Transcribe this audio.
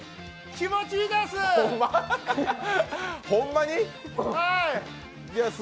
気持ちいいです。